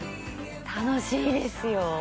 楽しいですよ